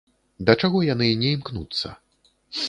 Да чаго яны не імкнуцца?